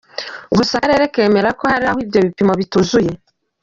Gusa akarere kemera ko hari aho ibyo bipimo bituzuye.